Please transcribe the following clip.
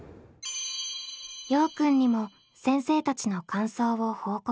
ようくんにも先生たちの感想を報告。